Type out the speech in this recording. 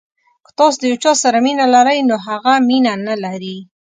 که تاسو د یو چا سره مینه لرئ خو هغه مینه نلري.